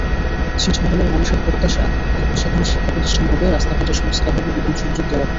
ছিটমহলের মানুষের প্রত্যাশা, এখন সেখানে শিক্ষাপ্রতিষ্ঠান হবে, রাস্তাঘাটের সংস্কার হবে, বিদ্যুৎ-সংযোগ দেওয়া হবে।